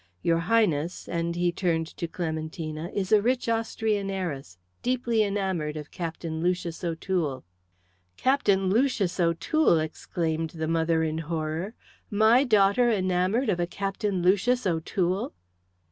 Your Highness," and he turned to Clementina, "is a rich Austrian heiress, deeply enamoured of Captain Lucius O'Toole." "Captain Lucius O'Toole!" exclaimed the mother, in horror. "My daughter enamoured of a Captain Lucius O'Toole!"